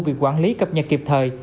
việc quản lý cập nhật kịp thời